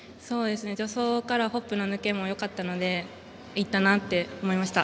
助走からホップの抜けもよかったので行ったなって思いました。